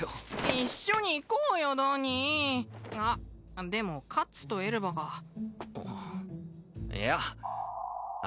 一緒に行こうよドニーあっでもカッツとエルバがいやあ